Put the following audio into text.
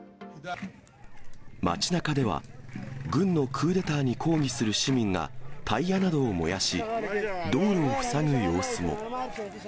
街なかでは、軍のクーデターに抗議する市民がタイヤなどを燃やし、道路を塞ぐ様子も。